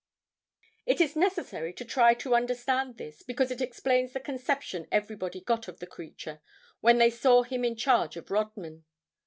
It is necessary to try to understand this, because it explains the conception everybody got of the creature, when they saw him in charge of Rodman.